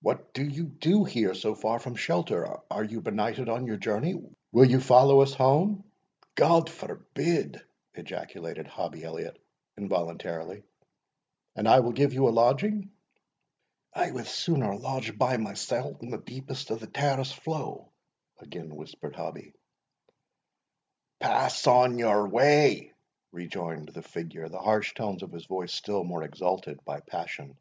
"What do you do here so far from shelter? Are you benighted on your journey? Will you follow us home ['God forbid!' ejaculated Hobbie Elliot, involuntarily), and I will give you a lodging?" "I would sooner lodge by mysell in the deepest of the Tarras flow," again whispered Hobbie. "Pass on your way," rejoined the figure, the harsh tones of his voice still more exalted by passion.